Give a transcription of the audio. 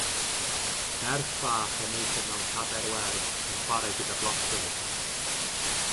Merch fach yn eistedd mewn cadair werdd yn chwarae gyda blociau.